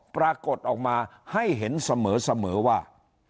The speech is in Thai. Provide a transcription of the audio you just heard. ปรากฏออกมาให้เห็นเสมอว่า